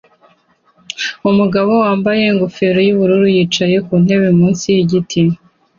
Umugabo wambaye ingofero yubururu yicaye ku ntebe munsi yigiti